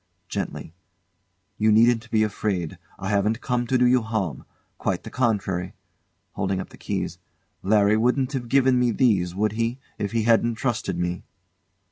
[Gently] You needn't be afraid. I haven't come to do you harm quite the contrary. [Holding up the keys] Larry wouldn't have given me these, would he, if he hadn't trusted me?